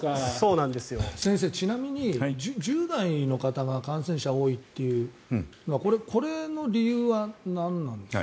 先生、ちなみに１０代の方が感染者が多いというのはこれの理由はなんなんですか。